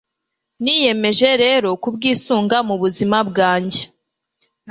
niyemeje rero kubwisunga mu buzima bwanjye